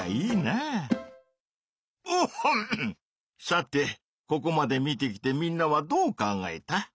さてここまで見てきてみんなはどう考えた？